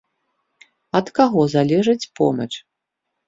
Ад каго залежыць помач?